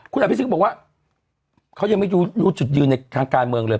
คุณอภิษฎบอกว่าเขายังไม่รู้จุดยืนในทางการเมืองเลย